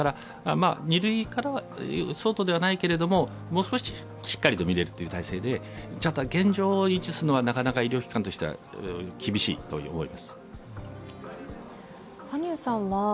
２類相当ではないけれど、もう少ししっかりと診れるという体制で現状を維持するのは医療機関としては厳しいという思いです。